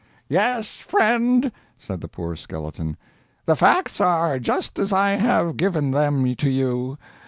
"Yes, friend," said the poor skeleton, "the facts are just as I have given them to you.